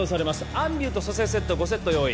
アンビューと蘇生セットを５セット用意